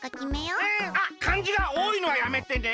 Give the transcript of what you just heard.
うん！あっかんじがおおいのはやめてね！